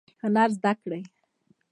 هنر زده کړئ